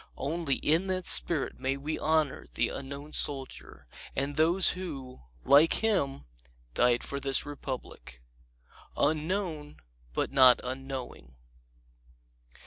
Only in that spirit may we honor the Unknown Soldier and those who, like him, died for this Republic. Unknown, but not unknowing!